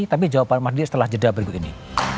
tapi jawaban madri setelah jeda berikut ini